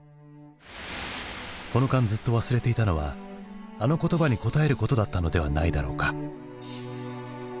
この間ずっと忘れていたのはあの言葉に応えることだったのではないだろうか？